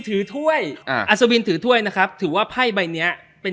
เป็นตัวแทนของญี่ปุ่น